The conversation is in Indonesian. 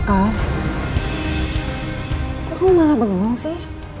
alv kok kamu malah bengong sih